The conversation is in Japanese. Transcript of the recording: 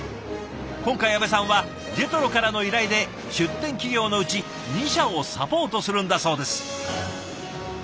今回阿部さんはＪＥＴＲＯからの依頼で出展企業のうち２社をサポートするんだそうです。